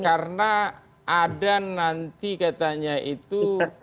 karena ada nanti katanya itu